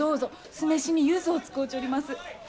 酢飯にゆずを使うちょります。